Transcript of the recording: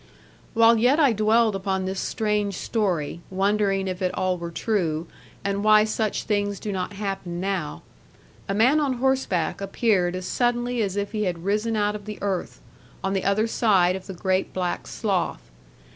While yet I dwelled upon this strange story, wondering if it all were true, and why such things do not happen now, a man on horseback appeared as suddenly as if he had risen out of the earth, on the other side of the great black slough.